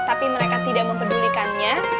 tapi mereka tidak mempedulikannya